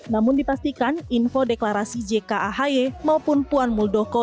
namun dipastikan info deklarasi jk ahy maupun puan muldoko